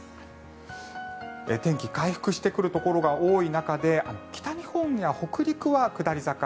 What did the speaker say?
天気回復してくるところが多い中で北日本や北陸は下り坂。